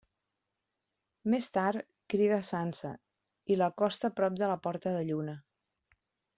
Més tard crida a Sansa i l'acosta prop de la Porta de Lluna.